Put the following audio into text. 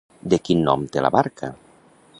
Quin nom té la barca?